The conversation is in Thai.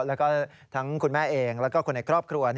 แล้วก็ทั้งคุณแม่เองแล้วก็คนในครอบครัว